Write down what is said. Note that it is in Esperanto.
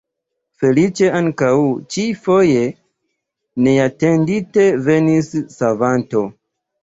Feliĉe ankaŭ ĉi-foje neatendite venis savanto.